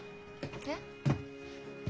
えっ？